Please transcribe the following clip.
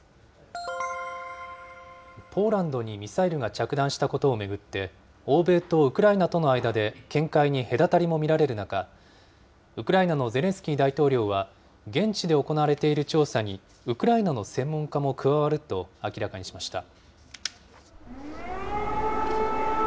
ポーランドにミサイルが着弾したことを巡って、欧米とウクライナとの間で見解に隔たりも見られる中、ウクライナのゼレンスキー大統領は、現地で行われている調査にウクライナの専門家も加わると明らかにしました。